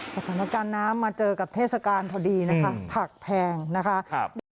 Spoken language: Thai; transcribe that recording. สถานการณ์น้ำมาเจอกับเทศกาลพอดีนะคะผักแพงนะคะ